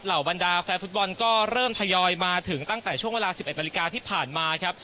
บรรดาแฟนฟุตบอลก็เริ่มทยอยมาถึงตั้งแต่ช่วงเวลา๑๑นาฬิกาที่ผ่านมาครับ